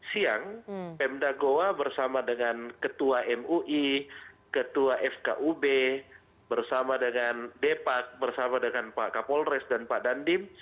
siang pemda goa bersama dengan ketua mui ketua fkub bersama dengan depak bersama dengan pak kapolres dan pak dandim